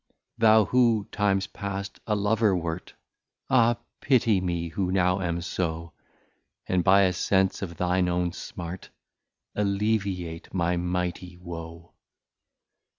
Thou who, times past, a Lover wer't, Ah! pity me, who now am so, And by a sense of thine own smart, Alleviate my Mighty Woe.